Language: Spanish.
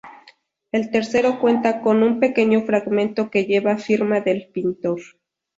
El tercero cuenta con un pequeño fragmento que lleva la firma del pintor.